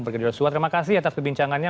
terima kasih atas perbincangannya